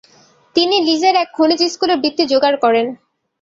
তিনি লীজের এক খনিজ স্কুলের বৃত্তি যোগার করেন।